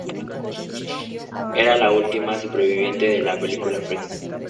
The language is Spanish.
Era la última superviviente de la película Freaks.